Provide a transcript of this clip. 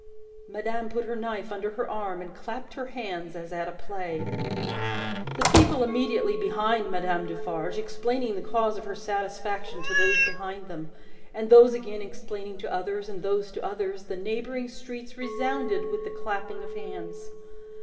Madame put her knife under her arm, and clapped her hands as at a play. The people immediately behind Madame Defarge, explaining the cause of her satisfaction to those behind them, and those again explaining to others, and those to others, the neighbouring streets resounded with the clapping of hands.